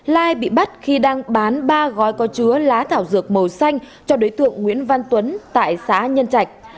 lai bị bắt khi đang bán ba gói có chứa lá thảo dược màu xanh cho đối tượng nguyễn văn tuấn tại xã nhân trạch